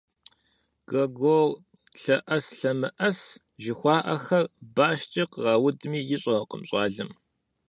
«Глагол лъэӀэс, лъэмыӀэс» жыхуаӀэхэр башкӀэ къраудми ищӀэркъым щӀалэм.